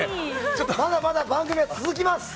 まだまだ番組は続きます。